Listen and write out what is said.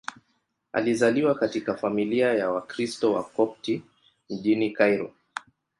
Alizaliwa katika familia ya Wakristo Wakopti mjini Kairo.